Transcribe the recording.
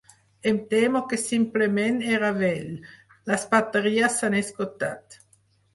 Em temo que simplement era vell, les bateries s'han esgotat.